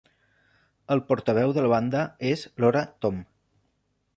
El portaveu de la banda és Lora Tom.